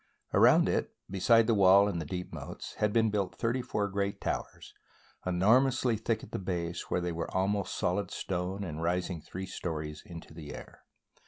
Around it, besides the wall and the deep moats, had been built thirty four great towers, enormously thick at the base, where they were almost solid stone, and rising three stories into the air.